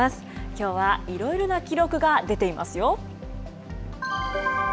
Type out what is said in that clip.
きょうは、いろいろな記録が出ていますよ。